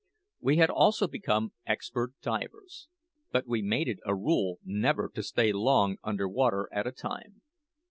We had also become expert divers. But we made it a rule never to stay long under water at a time.